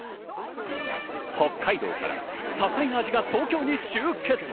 北海道から多彩な味が東京に集結。